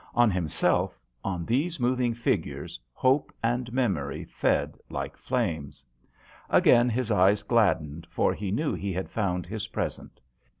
On himself, on these moving figures, hope and memory fed like flames. Again his eyes gladdened, for he knew he had found his present.